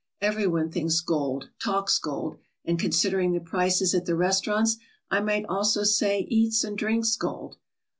Everyone thinks gold, talks gold, and, con sidering the prices at the restaurants, I might almost say eats and drinks gold.